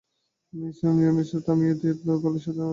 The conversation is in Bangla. মিয়া নিসার আলিকে থামিয়ে দিয়ে তীক্ষ্ণ গলায়, সাজানো ঘটনা কেন বলছেন?